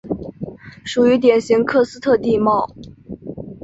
属于典型喀斯特地貌。